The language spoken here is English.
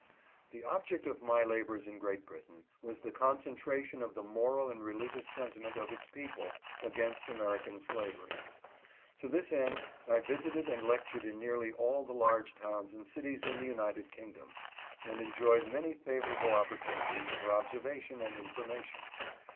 The object of my labors in Great Britain was the con centration of the moral and religious sentiment of its people against American slavery. To this end I visited and lectured in nearly all the large towns and cities in the United Kingdom, and enjoyed many favorable op portunities for observation and information.